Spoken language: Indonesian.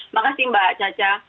makasih mbak caca